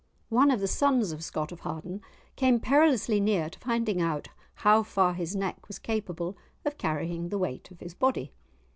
But on one occasion one of the sons of Scott of Harden came perilously near to finding out how far his neck was capable of carrying the weight of his body.